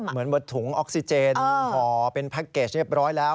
เหมือนว่าถุงออกซิเจนห่อเป็นแพ็คเกจเรียบร้อยแล้ว